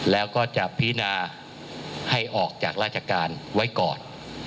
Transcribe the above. แล้วก็จะพินาให้ออกจากราชการไว้ก่อน